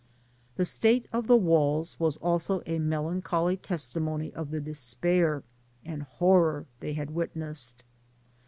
The state of the walls was also a melancholy tes timony of the despair and horror they had wit nessed.